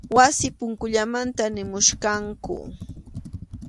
Wasi punkullamanta nimuwachkanku.